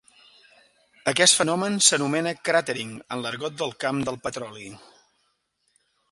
Aquest fenomen s'anomena "cratering" en l'argot del camp del petroli.